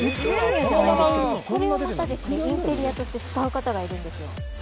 これをまた、インテリアとして使う方がいるんですよ。